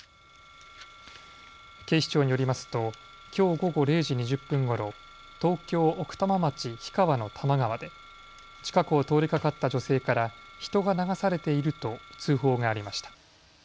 警視庁によりますときょう午後０時２０分ごろ東京奥多摩町氷川の多摩川で近くを通りかかった女性から人が流されていると通報がありました。